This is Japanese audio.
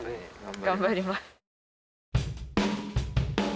頑張ります。